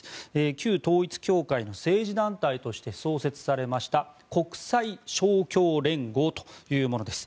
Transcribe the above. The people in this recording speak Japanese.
旧統一教会の政治団体として創設されました国際勝共連合というものです。